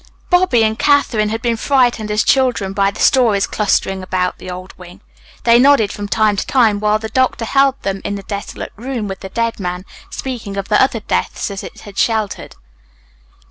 Bobby and Katherine had been frightened as children by the stories clustering about the old wing. They nodded from time to time while the doctor held them in the desolate room with the dead man, speaking of the other deaths it had sheltered.